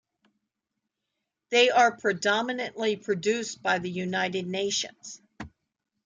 They are predominantly produced by the United Nations.